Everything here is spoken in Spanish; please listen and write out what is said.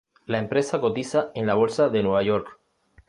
La empresa cotiza en la Bolsa de Nueva York.